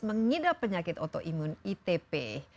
mengidap penyakit otoimun itp